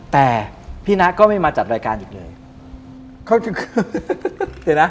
แต่พี่หน้าก็ไม่มาจัดรายการอีกแล้ว